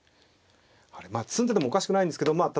詰んでてもおかしくないんですけどまあ